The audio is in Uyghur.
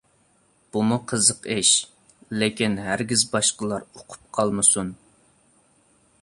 بۇمۇ قىزىق ئىش، لېكىن ھەرگىز باشقىلار ئۇقۇپ قالمىسۇن!